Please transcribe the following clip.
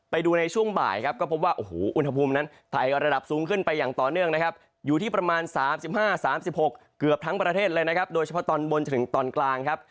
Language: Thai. ไปดูในช่วงบ่ายครับก็พบว่าโอ้โหอุณหภูมินั้นไทยระดับสูงขึ้นไปอย่างต่อเนื่องนะครับอยู่ที่ประมาณ๓๕๓๖เกือบทั้งประเทศเลยนะครับโดยเฉพาะตอนบนจนถึงตอนกลางครับ